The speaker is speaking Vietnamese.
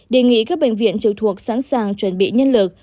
đề nghị các bệnh viện trực thuộc sẵn sàng chuẩn bị nhân lực